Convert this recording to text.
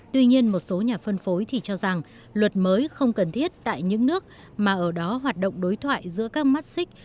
tuy nhiên một số nhà phân phối thì cho rằng luật mới không cần thiết tại những nước mà ở đó hoạt động đối thoại giữa các mắt xích